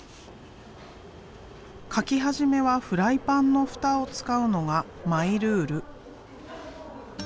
描き始めはフライパンの蓋を使うのがマイルール。